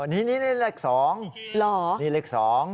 นี่เลข๒นี่เลข๒